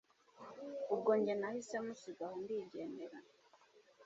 ubwo njye nahise musiga aho ndigendera